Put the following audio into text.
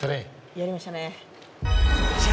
やりましたね。